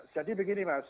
jadi begini mas